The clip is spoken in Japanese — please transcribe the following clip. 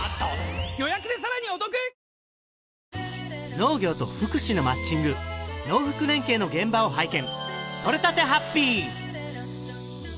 農業と福祉のマッチング農福連携の現場を拝見